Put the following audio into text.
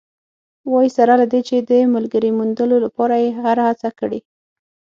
وايي، سره له دې چې د ملګرې موندلو لپاره یې هره هڅه کړې